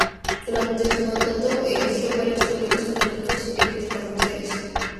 Durante su mandato erigió varios colegios católicos y templos parroquiales.